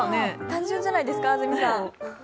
単純じゃないですか、安住さん。